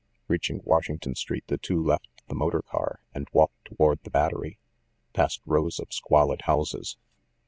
Reaching Washington Street, the two left the motor car and walked toward the Battery, past rows of squalid houses.